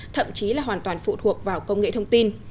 thậm chí là hoàn toàn phụ thuộc vào công nghệ thông tin